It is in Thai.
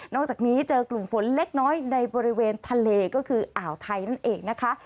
จากนี้เจอกลุ่มฝนเล็กน้อยในบริเวณทะเลก็คืออ่าวไทยนั่นเองนะคะ